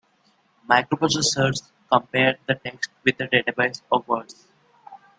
The microprocessors compare the text with a database of words.